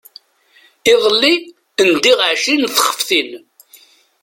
Iḍelli ndiɣ ɛecrin n tfextin.